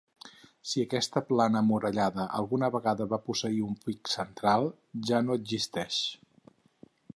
Si aquesta plana emmurallada alguna vegada va posseir un pic central, ja no existeix.